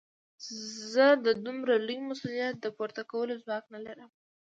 زه د دومره لوی مسوليت د پورته کولو ځواک نه لرم.